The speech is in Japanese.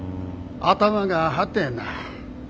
頭が張ってへんな。